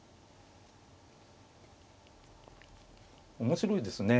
面白いですね。